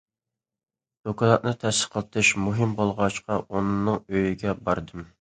دوكلاتنى تەستىقلىتىش مۇھىم بولغاچقا، ئۇنىڭ ئۆيىگە باردىم.